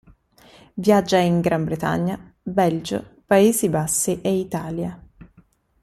Viaggia in Gran Bretagna, Belgio, Paesi Bassi e Italia.